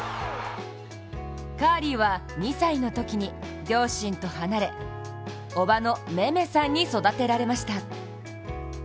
カーリーは２歳のときに両親と離れ、叔母のメメさんに育てられました。